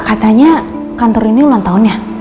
katanya kantor ini barusan ulang tahun ya